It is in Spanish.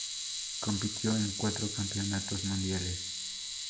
Compitió en cuatro Campeonatos Mundiales.